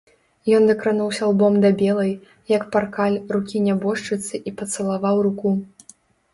Ён дакрануўся лбом да белай, як паркаль, рукі нябожчыцы і пацалаваў руку.